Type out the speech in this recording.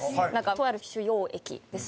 とある主要駅ですね。